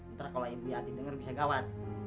ntar kalau ibu hati denger bisa gawat